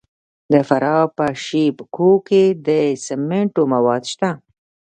د فراه په شیب کوه کې د سمنټو مواد شته.